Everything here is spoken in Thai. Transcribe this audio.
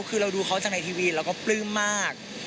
คือเราดูเขาจากในทีวีเราก็ปลื้มมาก